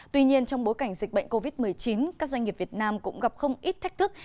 tuy nhiên trong bối cảnh dịch bệnh covid một mươi chín các doanh nghiệp việt nam cũng gặp không ít thách thức